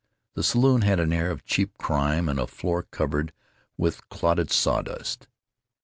The saloon had an air of cheap crime and a floor covered with clotted sawdust.